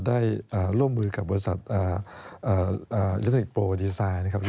ได้ร่วมมือกับบริษัทอิทธิ์โปรดีไซน์นะครับ